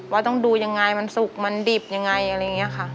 ว่าต้องดูยังไงมันสุกมันดิบยังไงอะไรอย่างนี้ค่ะ